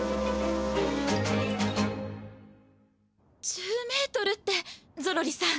１０メートルってゾロリさん